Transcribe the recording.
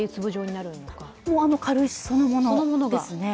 あの軽石そのものですね。